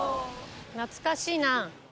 懐かしいな。